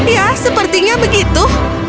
ya sepertinya begitu